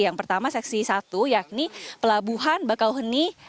yang pertama seksi satu yakni pelabuhan bakauheni